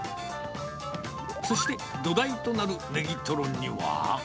そして、土台となるネギトロには。